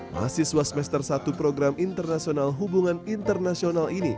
mahasiswa semester satu program internasional hubungan internasional ini